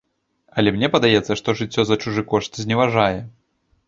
Але мне падаецца, што жыццё за чужы кошт зневажае.